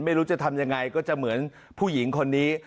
ไม่รู้จะทำยังไงก็จะเหมือนผู้หญิงคนนี้